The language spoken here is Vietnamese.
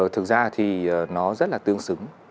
thực ra thì nó rất là tương xứng